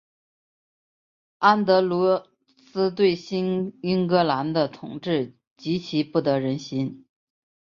安德罗斯对新英格兰的统治极其不得人心。